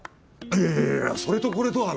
いやいやそれとこれとは。